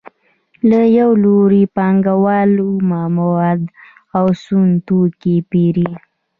له یو لوري پانګوال اومه مواد او سون توکي پېري